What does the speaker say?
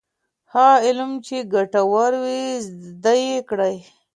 هغه علم چي ګټور وي زده یې کړه.